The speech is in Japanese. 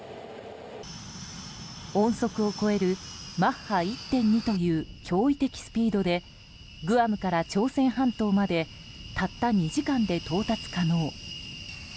音速を超えるマッハ１．２という驚異的スピードでグアムから朝鮮半島までたった２時間で到達可能。